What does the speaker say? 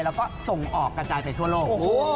แล้วก็ส่งออกกระจายไปทั่วโลก